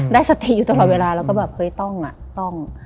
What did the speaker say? ได้สติอยู่ตลอดเวลาแล้วก็แบบเฮ้ยต้องอ่ะต้อง